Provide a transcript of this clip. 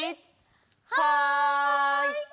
はい！